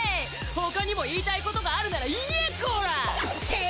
ほかにも言いたいことがあるなら言えコラー！